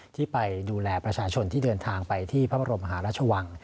ที่ไปดูแลประชาชนที่เดินทางไปที่พระบรมหาราชวัง